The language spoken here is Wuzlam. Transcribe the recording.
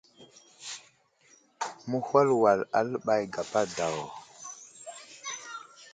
Mehwal wal aləɓay gapa daw.